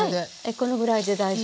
このぐらいで大丈夫よ。